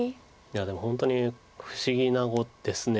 いやでも本当に不思議な碁です。